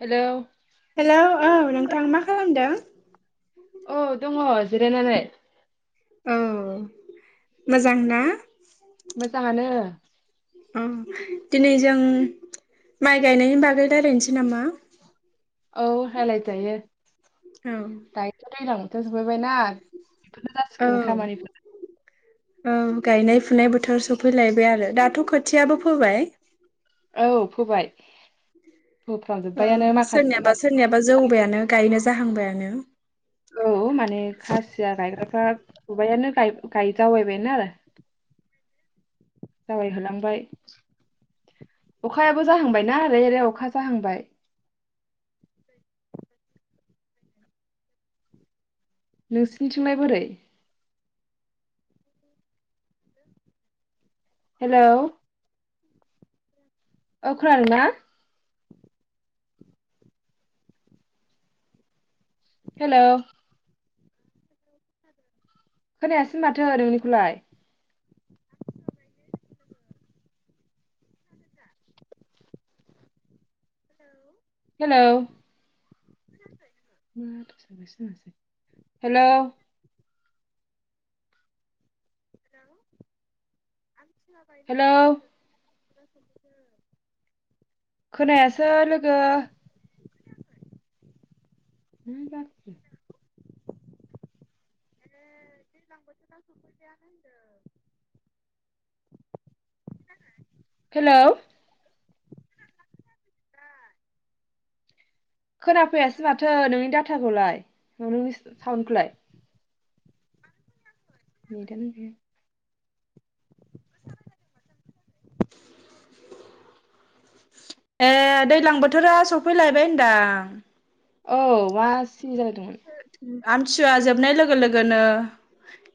Hello hello औ नोंथां मा खालामदों? औ दङ जिरायनानै। औ मोजांना? मोजाङानो‌ ओ उम दिनै जों माइ गायनायनि बागै रायलायनोसै नामा? औ रायलाय जायो। औ दायोथ दैलां। [unintelligible] जाबायना बेफोरनो औ जासिगोन खामानिफोरा औ गायनाय फुनाय बोथोर सफैलायबाय आरो दाथ' खोथियाबो फोबाय। औ फोबाय। फोफ्रामजोब्बायानो ओ माखासे सोरनियाबा मानसि- सोरनियाबा जौबायानो गायनो। जाहांबायानो। औ माने खासिया गायग्राफ्रा फुबायानो। गाय गाय जावायबायानो आरो जावायहोलांबाय अखायाबो जाहांबायना ओरै ओरै अखा जाहांबाय नोंसिनिथिंलाय बोरै? हेलौ ओ खोनादोंना? हेलौ। [inaudible] खोनायासै माथो नोंनिखौलाय [unintelligible] हेलौ। [inaudible] हेलौ। हेलौ आं सिला गायनाय लोगो हेलौ लोगो। खोनायासो लोगो। मा जाखो [unintelligible] दैलां बोथोराव सफैबायानो होनदों [unintelligible] हेलौ खोनाफैयासै माथो नोंनि डाटाखौलाय नोंनि साउन्डखौलाय नेदानो गैया ए दैज्लां बोथोरा सफैलायबाय होनदां। औ मा सिरि जालायदोंमोन? आमथिसुवा जोबनाय लोगो लोगोनो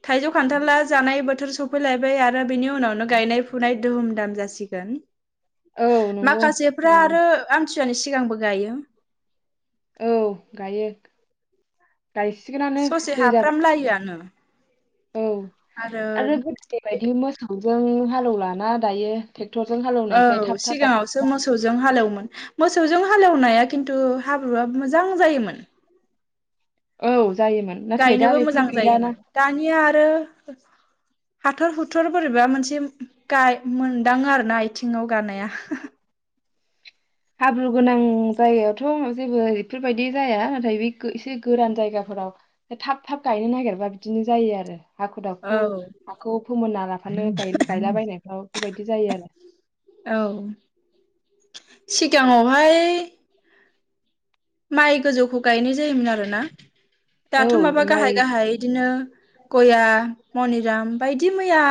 थायजौ खान्थाला जानाय बोथोर सफैलायबाय आरो बिनि उनावनो गायनाय फुनाय दुम दाम जासिगोन। औ नंगौ माखासेफ्रा नै आरो आमथि फुजानि सिगांबो गायो। औ गायो। गायसिगोनानो ससे दै जाबाय हाफ्राम लायो आनो औ आरो गोदोनि बायदि मोसौ जों हालौलाना दायो टे औ सिगाङावसो मोसौजों हालेवो मोसौजों हालेवनाया खिन्थु हाब्रुआ मोजां जायोमोन। औ जायोमोन नाथाय दा गायनोबो बेफोर मोजां गैलाना जायोमोन दानिया आरो हाथर हुथुर बोरैबा मोनसे गाय मोनदाङो आरो ना आथिंयाव गानाया हाब्रु गोनां जायगायावथ जेबो बेफोरबायदि जाया नाथाय बे एसे गोरान जायगाफोराव थाब थाब गायनो नागिरबा बिदिनो जायो आरो। हाखु औ दाखु हाखौ फोमोना लाबानो गायलाबायनायफ्राव बेबायदि जायो आरो। सिगांआवहाय माइ गोजौखौ गायनाय जायोमोन आरोना दाथ औ माबा माइ गाहाय-गाहाय बिदिनो गया मनिराम बायदि मैया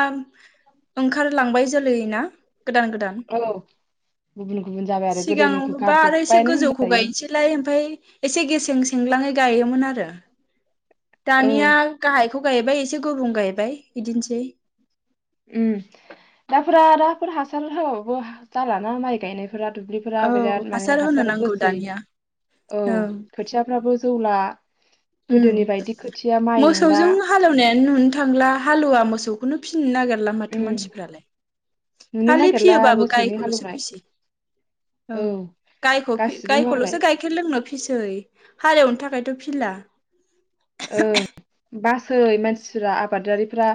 ओंखारलांबाय जोलै ना गोदान गोदान औ गुबुन-गुबुन जाबाय आरो गोदोनिखौ गारजोबबायानो होनजायो। लाय ओमफ्राय एसे गेसें सेंलाङै गायोमोन आरो। औ दानिया गाहाइ बेखौ गायबाय एसे गुबुं गायबाय बिदिनोसै उम दाफोरा दा बेफोर हासार होआबाबो जालाना माइ गायनाय फोरा दुब्लिफोरा औ बिराद माने होनो हासार नांगौ बोसै दानिया औ खोथियाफ्राबो जौला। अम गोदोनि बायदि खोथिया माइ नंला मोसौजों हालौनायानो नुनो थांला हालौवा मोस खौनो फिसिनो नागेर नुला माथो उम मानसिफ्रालाय नुनो खालि नागिरला फियोबाबो मोसौनि गायखौल'सो हालेवनाय फिसै औ गायखौ फि गासिबो गायखौल'सो मालाय गाइखेर लोंनो फि फिसै हालेवनो थाखायथ' फिला ओ बास सै मानसिफोरा आबादारिफोरा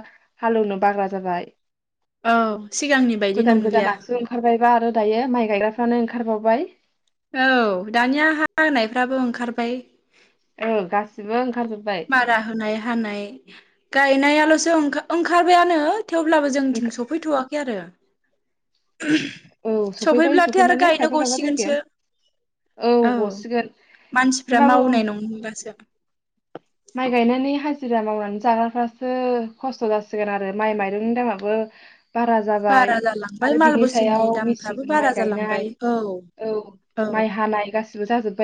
हालौनो बाग्रा जाबाय। औ सिगांनि बायदि नंलिया। फ्रा आरो दायो माइ गायग्राफ्रानो ओंखारबावबाय। औ दानिया हा होनायफ्राबो ओंखार बाय ओ गासिबो ओंखारजोब्बाय मारा होनाय हानाय गायनाया ओलसो ओंखा ओंखारबायानो। थेवब्लाबो जोंथिं ओंखा- सफैथवाखै आरो ओम औ सफैबाय सफैब्लाथाय आरो सफैनायालाय गायनो खायफा खायफा जायगायाव गसिगोनसो औ मानसिफ्रा होमबाबो मावनाय नंलासो। माइ गायनानै हाजिरा मावनानै जाग्राफ्रासो खस्थ' जासिगोन आरो माइ माइरंनि दामाबो बारा जाबाय बारा जालांबाय आरो माल बिनि बुस्थुनि सायाव दामफ्राबो मेचिनजों बारा माय गायनाय जालांबाय औ औ माय हानाय गासै जागोन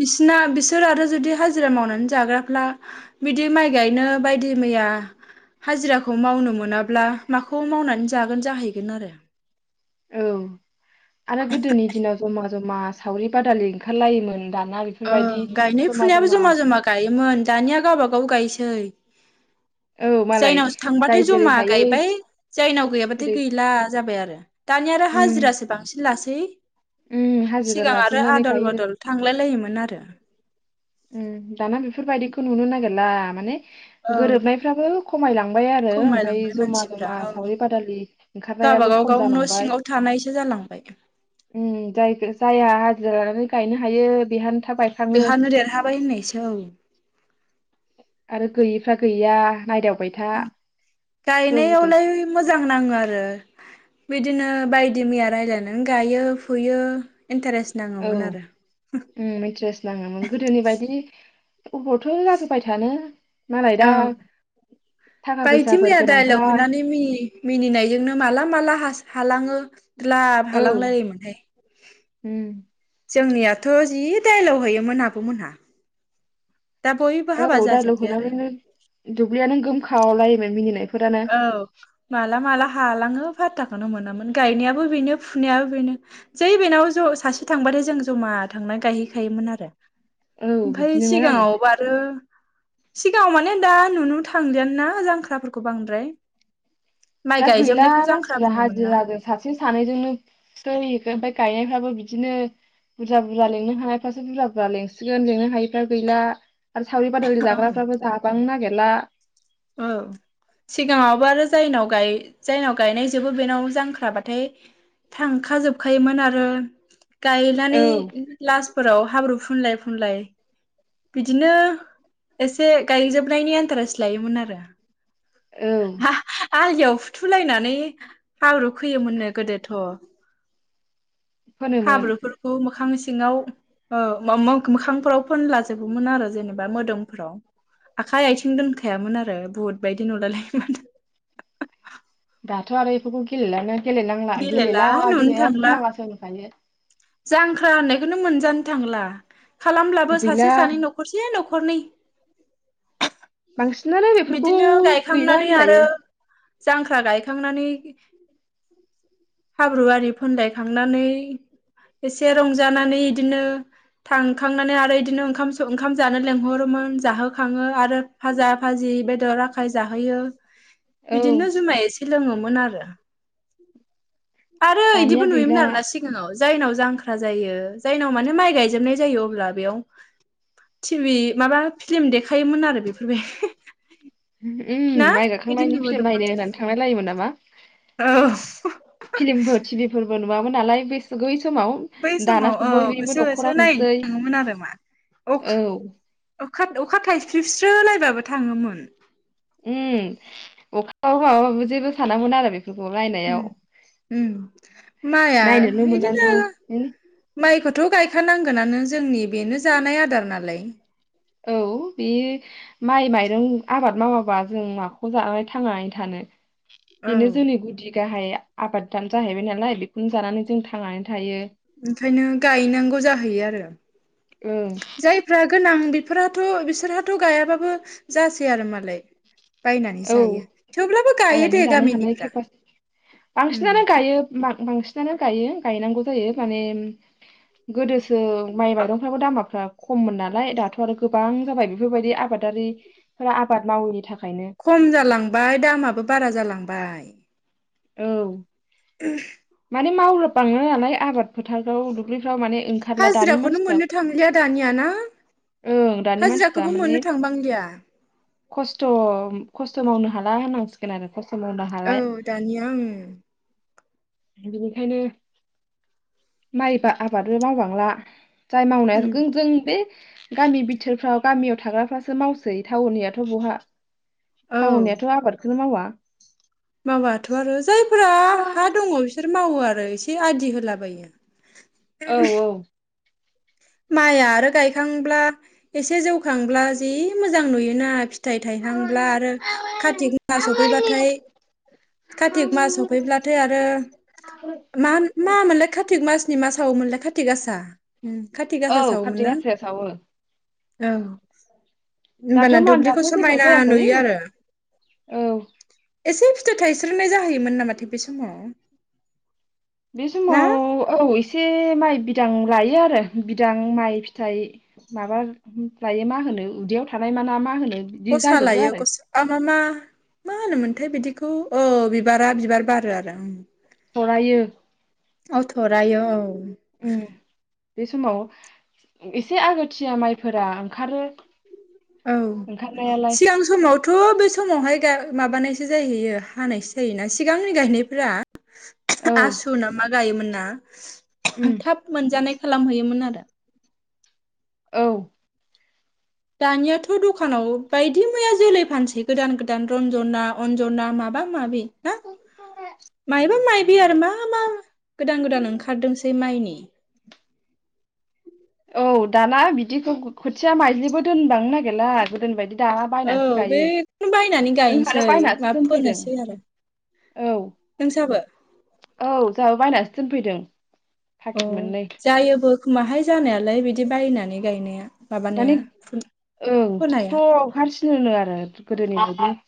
बिसना बिसोर आरो जुदि हाजिरा मावनानै जाग्रा ला बिदि माइ गायनो बायदि मैया हाजिराखौ मावनो मोनाब्ला माखौ मावनानै जागोन जाहैगोन आरो। औ आरो गोदोनि दिनाव जमा जमा सावरि बादालि ओंखारलायोमोन। ओ गायनाय फुनायाबो जमा जमा गायोमोन दानिया गावबा औ गायसै। औ मालाय जायनावसो जाय थांबाथाय जेरै जमा हायो गायबाय जायनाव गैयाबाथाय ओरै गैला जाबाय आरो दानिया आरो उम हाजिरासो बांसिन लासै। उम [unintelligible] हाजिरा सिगां आरो लाजोबनानै आदल गायो बदल थांलाय लायोमोन। नारो उम दाना बेफोरबायदिखौ नुनो नागिरला। माने औ गोरोबनायफ्राबो खमायलां बाय आरो ओमफाय खमायलांबाय जमा मानसिफ्रा जमा औ सावरि बादालि ओंखारनायाबो गावबागाव खम गाव न' जालांबाय सिङाव थानायसो जालांबाय उम जाय जाया जिरा लानानै गायनो हायो बिहाथ। बेहानो देरहाबाय होननाय। सौ गैयिफ्रा गैया नायदाव उम गायनायावलाय मोजां नाङो आरो बिदिनो बायदि मैया रायलायनानै गायो फुयो। इन्टारेस्ट नाङोमोन आरो। नङोमोन गोदोनि बायदि अबावथो आजिखालि थानो। मालाय औ दा थाखा बायथि फैसाफोर मैया गोनांफ्रा दाइलग हरनानै मिनि मिनिनायजोंनो माला माला हास थालाङो द्लाब औ उम हालांलायो मोनहाय जोंनियाथ' जि दायलग हैयोमोन आबमोनहा दा बैबो हाबा जाजोब्बाय आरो। दुब्लिया नों गोम खावलायोमोन मिनिनाय औ माला माला हालाङो फाथाखोनो मोनामोन गायनायाबो बेनो फुनायाबो बेनो जै बेनाव ज सासे थांबाथाय जों जमा थांनानै गायहैखायोमोन आरो औ ओमफाय बिदिनोमोन सिगाङावबो आरो। सिगाङाव माने दा नुनो थांलिया ना जांख्राफोर खौ बांद्राय दा गैला गायजोबनायखौ जांख्रा मानसिफ्रा बुङोमोन ना हाजिरादो सासे सानैजोंनो सय इखो ओमफाय गायनायफ्राबो बिदिनो बुरजा बुरजा लिंनो हानायफ्रासो बुरजा बुरजा लिंसिगोन लिंनो हायिफ्रा गैला। आरो सावरि बादालि औ जाग्राफ्राबो जाबांनो नागिर ला औ सिगाङावबो आरो जायनाव गाय जायनाव गायनायजोबो बेनाव जांख्राबाथाय थांखाजोबखायोमोन आरो औ गायनानै लासफोराव हाब्रु फुनलाय फुनलाय बिदिनो एसे गायजोबनायनि एनटारेस्त लायोमोन आरो। औ आलियाव फुथुलायनानै हाब्रु होयोमोननो गोदोथ फोनोमोन हाब्रुफोरखौ मोखां। सिङाव मो-मो-मोखांफोराव फोनलाजोबोमोन आरो जेनेबा मोदोमफोराव आखाइ आथिं दोनखायामोन आरो बुहुत बायदि नुलायलायोमोन [unintelligible] दाथ आरो बेफोरखौ गेलेलानो गेलेेनांला गेलेला नुनो गेलेया थांला फुननाङासो होनखायो। जांख्रा होननायखौनो मोनजानो थांला। खालामब्लाबो गैला सासे सानै नखरसे न'खर। हरनि बांसिनानो बेफोरखौ गैला गायखांनानै आरो होनजायो। जांख्रा गायखांनानै हाब्रु आरि फोनलायखांनानै एसे रंजानानै इदिनो थांखांनानै आरो इदिनो ओंखाम सोंखाम जानो लेंंहरोमोन जाहोखाङो आरो फाजा फाजि बेदर आखाय जाहोयो। औ बिदिनो जुमाय इसे लोङोमोन आरो आरो दानिया इदिबो गैला नुयोमोन आरोना सिगाङाव जायनाव जांख्रा जायो, जायनाव माने माइ गायजोबनाय जायो अब्ला बेयाव टिभि माबा फिल्म देखायोमोन आरो बेफोरबाय ना ओम, माइ बिदि गाखांनायनि फिल्म लुबोदोंमोन नायनो होननानै थांलाय लायोमोन नामा। औ फिल्मफोर टिभिफोरबो नुवामोन नालाय। समाव बै दानासो समाव औ बयनिबो होसो होसो न'खराव नायनो नुसै थाङोमोन आरो मा। औ अखा अखा थाइस्रिबसो लायबाबो थाङोमोन। उम अखा हाबाबो जेबो सानामोन आरो बेखौ उम उम माइआ नायनोल' बिदिनो मोननांगौ उम माइखौथ' गायखानांगोनानो। जोंनि बेनो जानाय आदार नालाय। औ बे माइ-माइरं आबाद मावाबा जों माखौ जानानै थांनानै थानो। औ बेनो जोंनि गुदि गाहाय आबादानो जाहैबाय नालाय बेखौनो जानानै जों थांनानै थायो। ओंखायनो गायनांगौ जाहैयो आरो ओं जायफ्रा गोनां बेफोराथ' बिसोरहाथ' गायाबाबो जासै आरो मालाय। बायनानै औ जायो, थेवब्लाबो गायो बायनानै दे जानो हानाय गामिनिफ्रा। केपासिटि बांसिनानो गायो बांसिनानो गायो गायनांगौ जायो माने गोदोसो माइ माइरंफ्राबो दामफ्रा खममोन नालाय दाथ' आरो गोबां जाबाय, बेफोरबायदि आबादारिफोरा आबाद मावैनि थाखायनो। खम जालांबाय दामाबो बारा जालांबाय। औ [unintelligible] माने मावनो बालाङो नालाय आबाद फोथाराव दुब्लि हाजिराखौनो मोननो थांलिया दानिया ना? ओं दानि मानसिफ्रा हाजिराखौबो मोननो माने थांबांलिया। खस्थ' खस्थ' मावनो हाला होननांसिगोन आरो। खस्थ' मावनो हाला औ दानिया उम बिनिखायनो माइबा आबादबो मावबांला। जाय मावनाय उम जों जों बे गामि बिथोरफ्राव गामियाव थाग्राफ्रासो मावसै टाउननियाथ' बहा। औ टाउनियाथ' आबादखौ मावा मावाथ' आरो जाय [unintelligible] मावो आरो एसे आदि होलाबायो। औ औ। माइआ आरो गायखांब्ला एसे जौखांब्ला जि मोजां नुयोना फिथाइ फिथाइ थायहांब्ला आरो खाथि मास सौफैबाथाय खाथि मास सौफैब्लाथाय आरो मा मा मोनलाय खाथिक मासनि मा मासाव मोनलाय खाथिक थिगासा औ खाथि गासाया सावो। औ दाथ' होमबाना मा दुब्लिखौ दाथ' जेबो समायना जायाखै नुयो आरो औ एसे [unintelligible] थाइस्रोनाय जाहैयोमोन नामाथाय बे समाव? बे ना समाव औ एसे से माइ बिदां लायो आरो बिदां माइ फिथाइ माबा लायो मा होनो उदैयाव थानाय माना मा होन गसा लायो गस आ मा मा मा होनोमोनथाय बिदिखौ औ बिबारा बिबार बारो आरो। थरायो औ थरायो औ [inaudible] उम बे समाव एसे आगोथिया माइफोरा ओंखारो। औ ओंखारनायालाय सिगां समावथ' बे समावहाय गाय माबानायसो जाहैयो हानायसो जायोना सिगांनि गायनायफ्रा औ आसु ना मा गायोमोन ना? उम [inaudible] थाब मोनजानाय खालाम हैयोमोन आरो। औ दानियाथ' दखानाव बायदि मैया जोलै फानसै गोदान गोदान रन्जना अन्जना माबा माबि ना मायबा माइबि आरो मा मा गोदान गोदान ओं ओंखारदोंसै माइनि औ दाना बिदिखौ खोथिया माइज्लिबो दोनबांनो नागिरला गोदोनि बायदि दा औ बायनासो गायो बेखौनो बायनानै जोंहानो गायनोसै मा बायनासो दोनफैदों फोनोसै आरो औ नोंसाबो औ जोंहाबो बायनासो दोनफैदों। अ पाकेट मोननै जायोबो [unintelligible] जानायालाय बिदि बायनानै गायनाया माने माबानाया ओं फोनाया स्र हारसिन होनो आरो गोदोनि बादि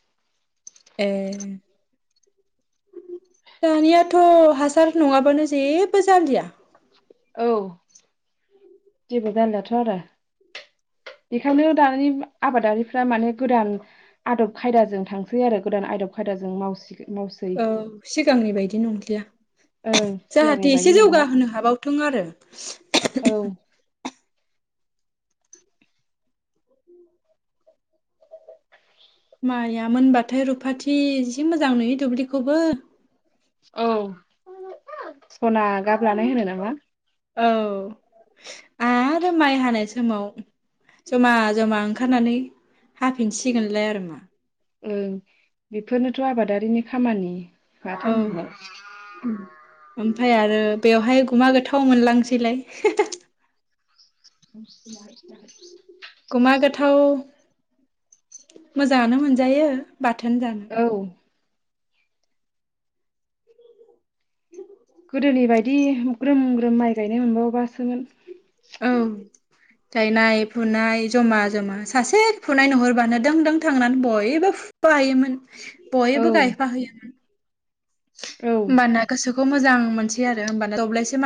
ए दानियाथ' हासार नङाबानो जेबो जालिया। औ जेबो जालाथ आरो बेखायनो दानि आबादारिफ्रा माने गोदान आदब खायदाजों थांसै आरो गोदान आदब खायदाजों मावसि मावसै औ सिगांनि बायदि नंलिया ओं सिगांनि जाहाथे एसे बायदि नंला जौगाहोनो हाबावथों आरो। [inaudible] औ माइया मोनबाथाय रुफाथि जि मोजां नुयो दुब्लिखौबो। औ सना गाब लानाय होनो नामा? फ्राय माइ हानाय समाव जमा जमा ओंखारनानै हाफिनसिगोनलाय आरो मा। ओ बेफोरनोथ आबादारिनि खामानि। औ बाथोन [inaudible] ओमफ्राय आरो बेवहाय गुमा गोथाव मोनलांसैलाय [inaudible] गुमा गोथाव मोजाङानो मोनजायो बाथोन जानो। औ गोदोनि बायदि ग्रोम ग्रोम माइ गायनो मोनबावोबासोमोन। औ गायनाय फुनाय जमा जमा सासे फुनाय नुहुरबानो दों दों थांनानै बयबो फुफा हैयोमोन औ बयबो गायफा हैयो औ होमबाना गोसो खौ मोजां मोनसै आरो होनबा दब्लाइसे माइ